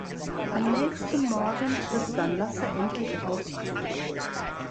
Am nächsten Morgen trifft dann Lasse endlich auch ein.